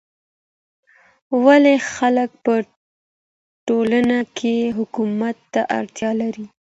ولي خلګ په ټولنه کي حکومت ته اړتيا لري؟